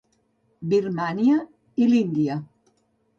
Birmània i l'Índia.